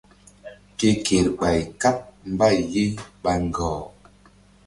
Ke kerɓay káɓ mbay ye ɓa ŋgɔh.